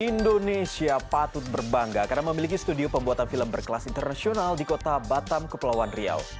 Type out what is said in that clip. indonesia patut berbangga karena memiliki studio pembuatan film berkelas internasional di kota batam kepulauan riau